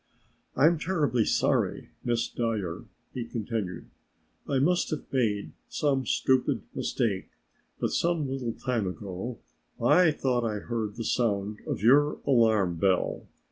"I'm terribly sorry, Miss Dyer," he continued, "I must have made some stupid mistake, but some little time ago I thought I heard the sound of your alarm bell.